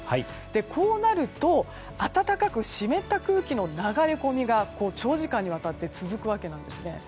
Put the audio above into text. こうなると暖かく湿った空気の流れ込みが長時間にわたって続くわけなんですね。